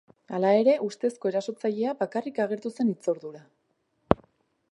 Hala ere, ustezko erasotzailea bakarrik agertu zen hitzordura.